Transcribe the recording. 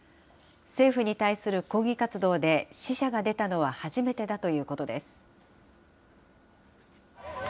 政府に対する抗議活動で死者が出たのは初めてだということです。